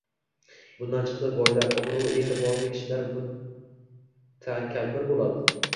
Bundan chiqdi, boylar, obro‘-e’tiborli kishilar mutakabbir bo‘ladi.